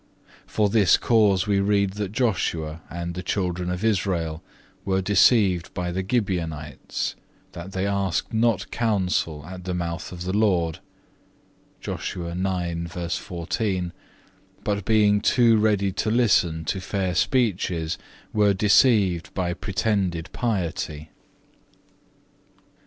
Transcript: For this cause we read that Joshua and the children of Israel were deceived by the Gibeonites, that they asked not counsel at the mouth of the Lord,(1) but being too ready to listen to fair speeches, were deceived by pretended piety."